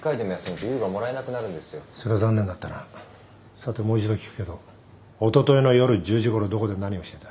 さてもう一度聞くけどおとといの夜１０時ごろどこで何をしてた？